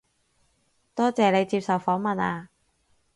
多謝你接受訪問啊